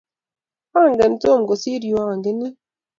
angen Tom kusir ya angenin